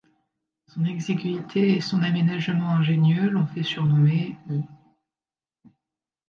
Son exiguïté et son aménagement ingénieux l'ont fait surnommer l'.